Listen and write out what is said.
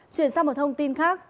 chuyển sang một thông tin khác